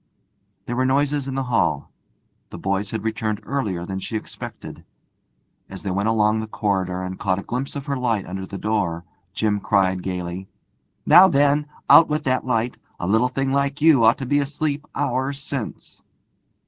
There were noises in the hall; the boys had returned earlier than she expected. As they went along the corridor and caught a glimpse of her light under the door, Jim cried gaily: 'Now then, out with that light! A little thing like you ought to be asleep hours since.'